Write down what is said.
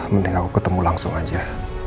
mending aku ketemu langsung aja